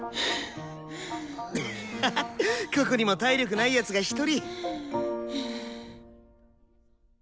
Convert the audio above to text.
ハハここにも体力ない奴が１人。